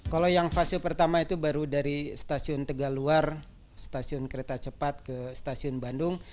kalau yang fase pertama itu baru dari stasiun tegaluar stasiun kereta cepat ke stasiun bandung